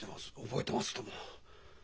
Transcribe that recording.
覚えてますとも。